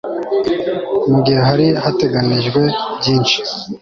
mu gihe hari hateganijwe byinshi